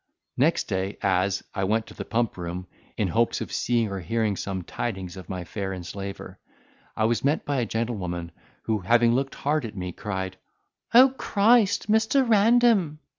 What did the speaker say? Next day, as, I went to the Pump Room, in hopes of seeing or hearing some tidings of my fair enslaver, I was met by a gentlewoman, who, having looked hard at me, cried, "O Christ, Mr. Random!"